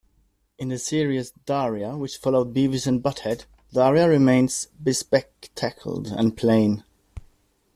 In the series "Daria" which followed "Beavis and Butt-head", Daria remains bespectacled and plain.